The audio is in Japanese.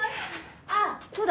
あっそうだ